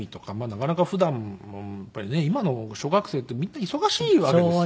なかなか普段やっぱりね今の小学生ってみんな忙しいわけですよ。